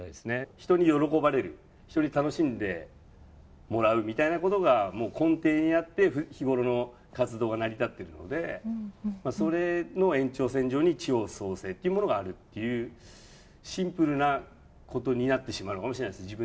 人に喜ばれる人に楽しんでもらうみたいなことが根底にあって日頃の活動が成り立っているのでそれの延長線上に地方創生があるというシンプルなことになってしまうのかもしれないです。